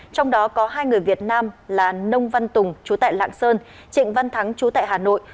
trong đó có hai người việt nam là nông văn tùng chú tại lạng sơn trịnh văn thắng chú tại hà nội